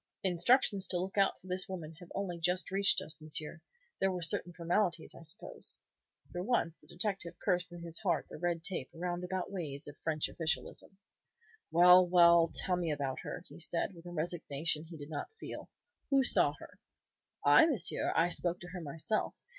"Instructions to look out for this woman have only just reached us, monsieur. There were certain formalities, I suppose." For once the detective cursed in his heart the red tape, roundabout ways of French officialism. "Well, well! Tell me about her," he said, with a resignation he did not feel. "Who saw her?" "I, monsieur. I spoke to her myself.